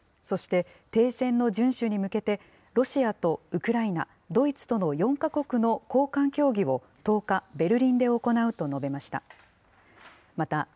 そして、停戦の順守に向けて、ロシアとウクライナ、ドイツとの４か国の高官協議を１０日、ベルリンで行うと述べました。